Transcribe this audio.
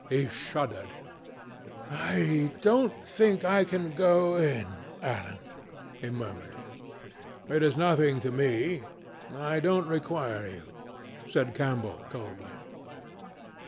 He shuddered. "I don't think I can go in, Alan," he murmured. "It is nothing to me. I don't require you," said Campbell coldly.